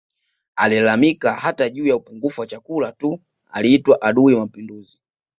Aliyelalamika hata juu ya upungufu wa chakula tu aliitwa adui wa Mapinduzi